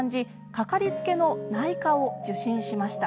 かかりつけの内科を受診しました。